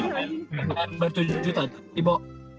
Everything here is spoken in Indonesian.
yang main bertujuh tadi ibo